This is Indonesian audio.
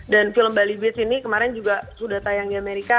dan film bali beats ini kemarin juga sudah tayang di america